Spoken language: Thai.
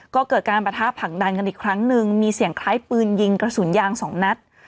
ก็เกิดการประทะผลักดันกันอีกครั้งหนึ่งมีเสียงคล้ายปืนยิงกระสุนยางสองนัด